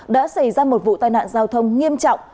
đã xảy ra một vụ tai nạn giao thông nghiêm trọng